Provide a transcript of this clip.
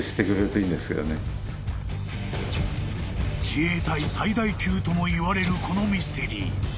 ［自衛隊最大級ともいわれるこのミステリー］